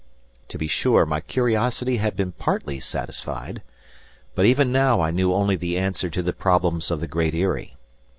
To be sure, my curiosity had been partly satisfied. But even now I knew only the answer to the problems of the Great Eyrie.